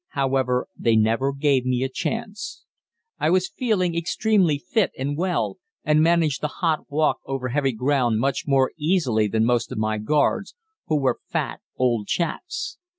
However, they never gave me a chance. I was feeling extremely fit and well, and managed the hot walk over heavy ground much more easily than most of my guards, who were fat old chaps.